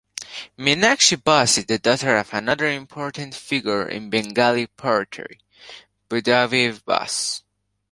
Minakshi Bose is the daughter of another important figure in Bengali poetry, Buddhadev Bose.